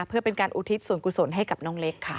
เพื่อเป็นการอุทิศส่วนกุศลให้กับน้องเล็กค่ะ